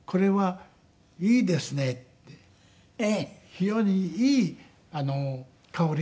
「非常にいい香りがする」。